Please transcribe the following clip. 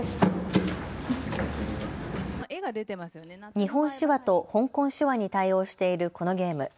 日本手話と香港手話に対応しているこのゲーム。